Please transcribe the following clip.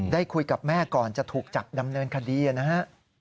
ได้คุยกับแม่ก่อนจะถูกจับดำเนินคดีนะฮะ